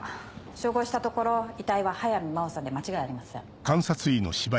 照合したところ遺体は速水真緒さんで間違いありません。